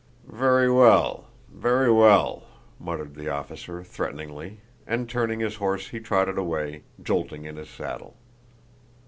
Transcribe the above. "Very well, very well!" muttered the officer, threateningly, and turning his horse he trotted away, jolting in his saddle.